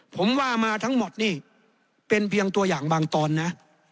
ผมว่ามาทั้งหมดนี่เป็นเพียงตัวอย่างบางตอนนะ